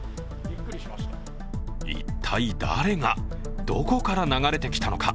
一体誰が、どこから流れてきたのか。